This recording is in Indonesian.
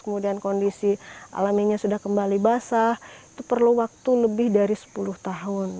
kemudian kondisi alaminya sudah kembali basah itu perlu waktu lebih dari sepuluh tahun